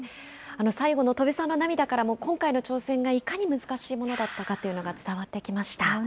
最後の戸部さんの涙からも、今回の挑戦がいかに難しいものだったかというのが伝わってきました。